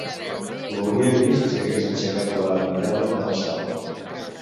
Ho hauria vist si hagués aixecat la mirada quan passava.